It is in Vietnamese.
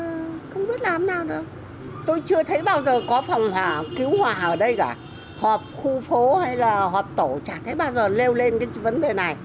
tôi không biết làm nào nữa tôi chưa thấy bao giờ có phòng hỏa cứu hỏa ở đây cả họp khu phố hay là họp tổ chả thế bao giờ leo lên cái vấn đề này